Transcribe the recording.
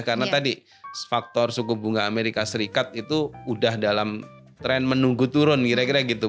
karena tadi faktor suku bunga amerika serikat itu udah dalam tren menunggu turun kira kira gitu